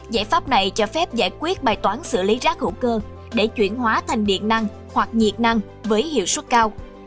giải pháp này cho phép giải quyết bài toán xử lý rác hữu cơ để chuyển hóa thành điện năng hoặc nhiệt năng với hiệu suất cao